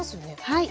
はい。